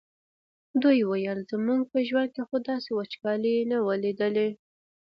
دوی ویل زموږ په ژوند خو داسې وچکالي نه وه لیدلې.